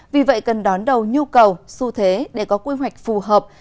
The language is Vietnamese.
vì vậy cần đón đầu nhu cầu xu thế để có quy hoạch phù hợp